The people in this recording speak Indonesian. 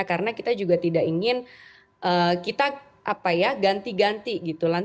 karena kita juga tidak ingin kita ganti ganti gitu